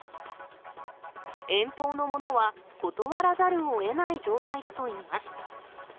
遠方のものは断らざるをえない状態だといいます。